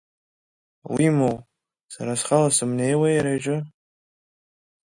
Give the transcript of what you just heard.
Уимоу, сара схала сымнеиуеи иара иҿы.